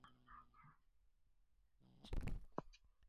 احتمالا آن را کپی کرده.